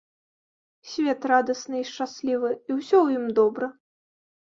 Свет радасны і шчаслівы, і ўсё ў ім добра.